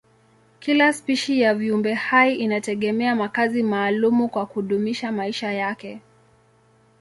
Kila spishi ya viumbehai inategemea makazi maalumu kwa kudumisha maisha yake.